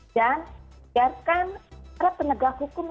dan biarkan para penegak hukum